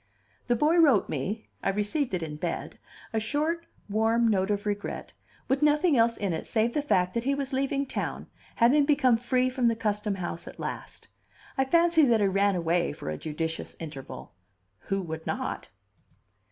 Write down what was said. The boy wrote me (I received it in bed) a short, warm note of regret, with nothing else in it save the fact that he was leaving town, having become free from the Custom House at last. I fancy that he ran away for a judicious interval. Who would not?